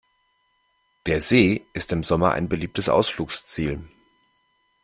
Der See ist im Sommer ein beliebtes Ausflugsziel.